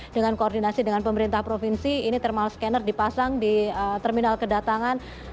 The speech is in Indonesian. dengan koordinasi dengan pemerintah provinsi ini thermal scanner dipasang di terminal kedatangan